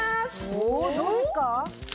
おおどうですか？